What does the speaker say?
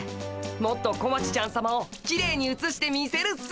もっと小町ちゃんさまをきれいにうつしてみせるっす。